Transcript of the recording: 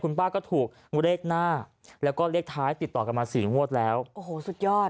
ป้าก็ถูกเลขหน้าแล้วก็เลขท้ายติดต่อกันมาสี่งวดแล้วโอ้โหสุดยอด